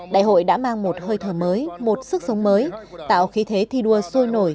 đại hội đã mang một hơi thở mới một sức sống mới tạo khí thế thi đua sôi nổi